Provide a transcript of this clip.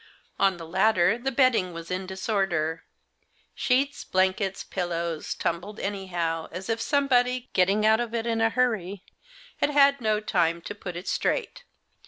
On the latter the bedding was in disorder ; sheets, blankets, pillows tumbled anyhow, as if some body, getting out of it in a hurry, had had no time to put it straight.